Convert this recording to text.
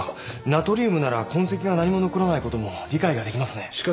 ナトリウムなら痕跡が何も残らないことも理解ができますね。